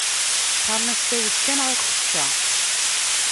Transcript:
Qqaren-as tawekka neɣ akečča.